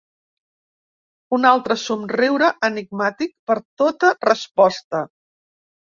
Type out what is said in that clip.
Un altre somriure enigmàtic per tota resposta.